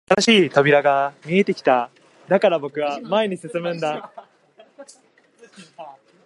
新しい扉が見えてきた